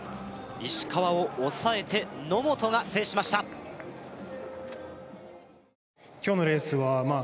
石川を抑えて野本が制しました今日のレースはまあ